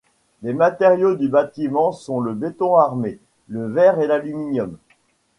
Les matériaux du bâtiments sont le béton armé, le verre et l'aluminium.